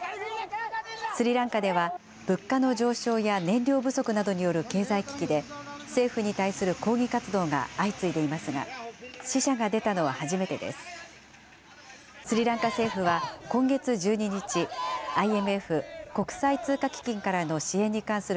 スリランカでは物価の上昇や燃料不足などによる経済危機で政府に対する抗議活動が相次いでいますが死者が出たのは初めてです。